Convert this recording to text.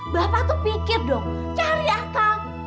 bapak tuh pikir dong cari apa